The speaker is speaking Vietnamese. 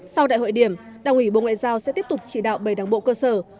sau đại hội điểm đảng ủy bộ ngoại giao sẽ tiếp tục chỉ đạo bảy đảng bộ cơ sở